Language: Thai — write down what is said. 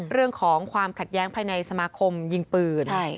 เรื่องของความขัดแย้งภายในสมาคมยิงปืน